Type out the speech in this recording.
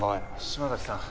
島崎さん！